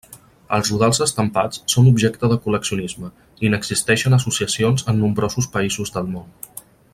Els rodals estampats són objecte de col·leccionisme, i n'existeixen associacions en nombrosos països del món.